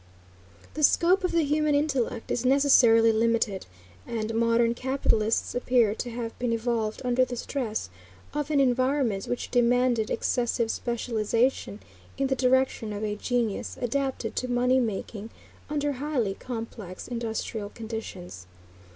The scope of the human intellect is necessarily limited, and modern capitalists appear to have been evolved under the stress of an environment which demanded excessive specialization in the direction of a genius adapted to money making under highly complex industrial conditions.